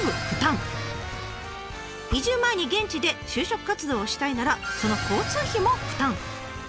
移住前に現地で就職活動をしたいならその交通費も負担。